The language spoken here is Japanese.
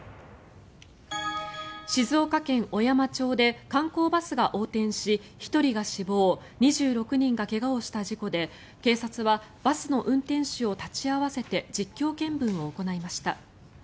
静岡県小山町で観光バスが横転し１人が死亡２６人が怪我をした事故で警察はバスの運転手を立ち会わせて実況見分を行いました。